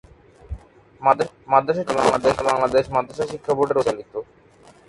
মাদ্রাসাটি বর্তমানে বাংলাদেশ মাদ্রাসা শিক্ষাবোর্ডের অধীনে পরিচালিত।